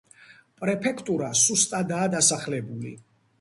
პრეფექტურა სუსტადაა დასახლებული.